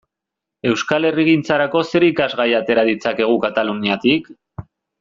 Euskal herrigintzarako zer irakasgai atera ditzakegu Kataluniatik?